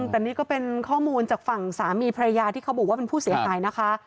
แต่นี่ก็เป็นข้อมูลจากฝั่งสามีภรรยาที่เขาบอกว่าเป็นผู้เสียหายนะคะ